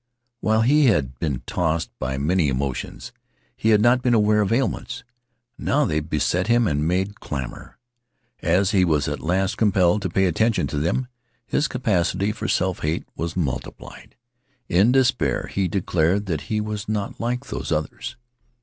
While he had been tossed by many emotions, he had not been aware of ailments. Now they beset him and made clamor. As he was at last compelled to pay attention to them, his capacity for self hate was multiplied. In despair, he declared that he was not like those others.